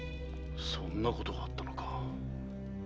そんなことがあったのか。